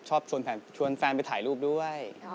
ชอบชวนแฟนไปถ่ายรูปด้วย